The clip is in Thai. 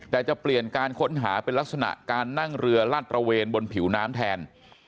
แต่จะเปลี่ยนการค้นหาเป็นลักษณะการนั่งเรือลาดตระเวนบนผิวน้ำแทน